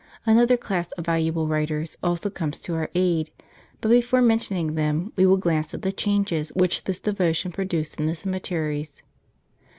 Another class of valuable writers also comes to our aid ; but before mentioning them, we will glance at the changes which this devotion produced in the cemeteries.